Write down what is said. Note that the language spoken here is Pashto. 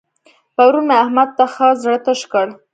پرون مې احمد ته ښه زړه تش کړ.